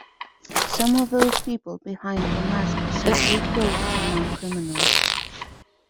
Some of those people behind the mask of some fake ghosts are not criminals.